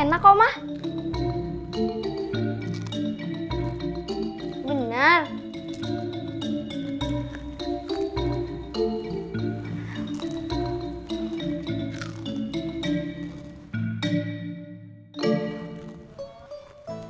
karena aku hampir nggak capek